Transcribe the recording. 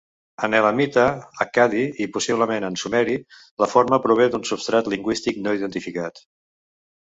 En elamita, accadi, i possiblement en sumeri, la forma prové d'un substrat lingüístic no identificat.